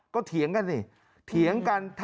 ก็เถียงกัน